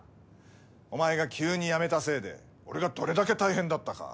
お前が急に辞めたせいで俺がどれだけ大変だったか。